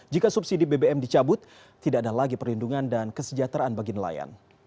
jika subsidi bbm dicabut tidak ada lagi perlindungan dan kesejahteraan bagi nelayan